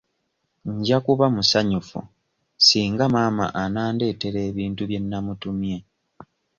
Nja kuba musanyufu singa maama anandeetera ebintu bye nnamutumye.